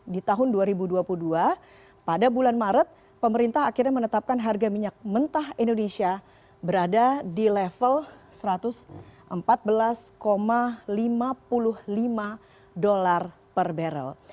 di tahun dua ribu dua puluh dua pada bulan maret pemerintah akhirnya menetapkan harga minyak mentah indonesia berada di level satu ratus empat belas lima puluh lima dolar per barrel